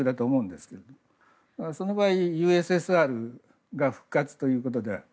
その場合、ＵＳＳＲが復活ということで。